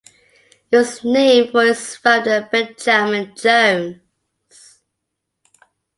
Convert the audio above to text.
It was named for its founder, Benjamin Jones.